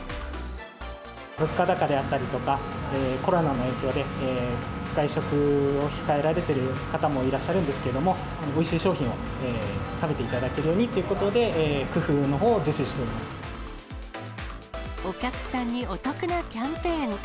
物価高であったりとか、コロナの影響で、外食を控えられている方もいらっしゃるんですけれども、おいしい商品を食べていただけるようにということで、お客さんにお得なキャンペーン。